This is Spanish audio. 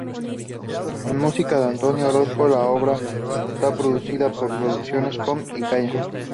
Con música de Antonio Orozco, la obra está producida por Producciones Come y Calla.